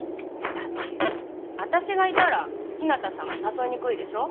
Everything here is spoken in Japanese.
だって私がいたら日向さんも誘いにくいでしょ